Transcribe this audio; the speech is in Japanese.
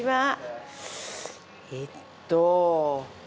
えっと。